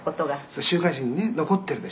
「それ週刊誌にね残っているでしょ」